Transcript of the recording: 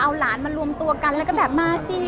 เอาหลานมารวมตัวกันแล้วก็แบบมาสิ